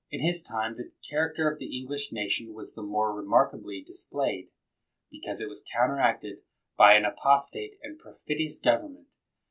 In his time the char acter of the English nation was the more re markably displayed, because it was counteracted by an apostate and perfidious government.